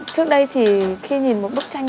trước đây thì khi nhìn một bức tranh